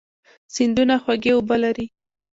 سیندونه خوږې اوبه لري.